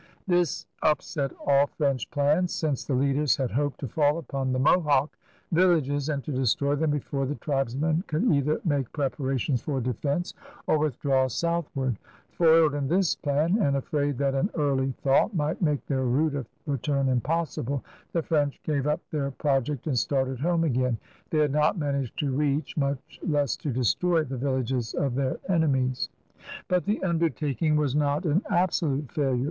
This upset all French plans, since the leaders had hoped to fall upon the Mohawk villages and to destroy them before the tribesmen could either make preparations for defense or withdraw southward. Foiled in this plan, and afraid that an early thaw might make their route of return impossible, the French gave up their project and started home again. They had not managed to reach, much less to destroy, the villages of their enemies. But the undertaking was not an absolute failure.